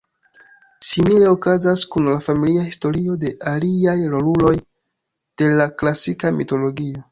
Simile okazas kun la "familia" historio de aliaj roluloj de la klasika mitologio.